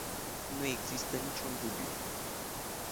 Nu există nici un dubiu.